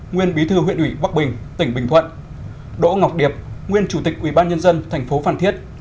nguyên bí thư huyện ủy bắc bình tỉnh bình thuận đỗ ngọc điệp nguyên chủ tịch ubnd tp phan thiết